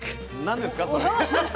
何ですかそれ？